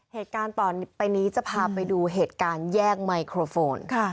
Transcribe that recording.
เหตุการณ์ต่อไปนี้จะพาไปดูเหตุการณ์แยกไมโครโฟน